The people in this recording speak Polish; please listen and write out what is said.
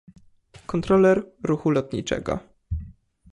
Kontroler ruchu lotniczego.